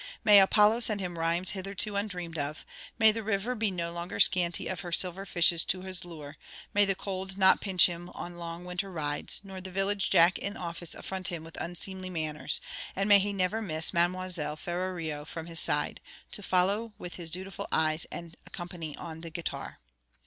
May Apollo send him rimes hitherto undreamed of; may the river be no longer scanty of her silver fishes to his lure; may the cold not pinch him on long winter rides, nor the village jack in office affront him with unseemly manners; and may he never miss Mademoiselle Ferrario from his side, to follow with his dutiful eyes and accompany on the guitar!